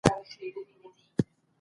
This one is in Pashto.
سوله له جګړې څخه ډېره غوره ده.